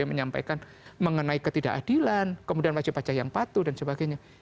menyampaikan mengenai ketidakadilan kemudian wajib pajak yang patuh dan sebagainya